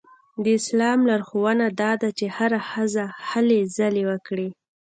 د اسلام لارښوونه دا ده چې هره ښځه هلې ځلې وکړي.